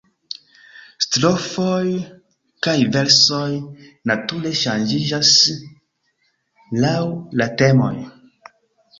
Strofoj kaj versoj nature ŝanĝiĝas laŭ la temoj.